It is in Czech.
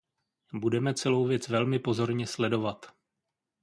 Budeme celou věc velmi pozorně sledovat.